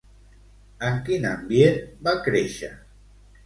En quin ambient va créixer?